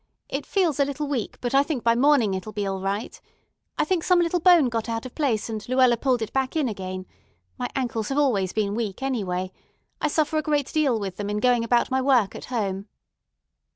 It feels a little weak, but I think by morning it'll be all right. I think some little bone got out of place, and Luella pulled it back in again. My ankles have always been weak, anyway. I suffer a great deal with them in going about my work at home."